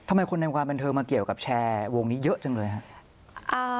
ทำไมคนในความบันเทิงมาเกี่ยวกับแชร์วงนี้เยอะจังเลยครับ